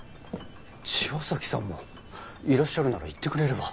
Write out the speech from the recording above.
千和崎さんもいらっしゃるなら言ってくれれば。